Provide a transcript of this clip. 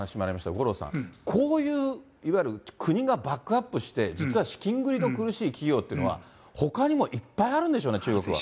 五郎さん、こういういわゆる国がバックアップして、実は資金繰りの苦しい企業というのは、ほかにもいっぱいあるんでしょうね、中国は。